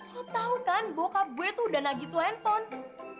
lo tau kan bokap gue tuh udah nagih tuh handphone